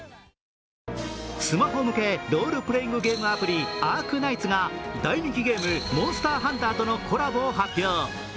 スマホ向けロールプレイングゲームアプリ「アークナイツ」が大人気ゲーム「モンスターハンター」とのコラボを発表。